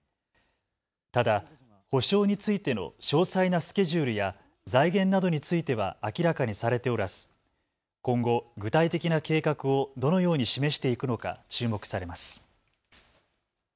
ただ、補償についての詳細なスケジュールや財源などについては明らかにされておらず今後、具体的な計画をどのように示していくのか注目されます。